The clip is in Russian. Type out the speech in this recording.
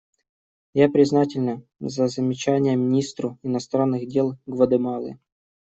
И я признательна за замечания министру иностранных дел Гватемалы.